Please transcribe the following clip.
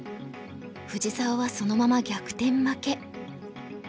藤沢はそのまま逆転負け。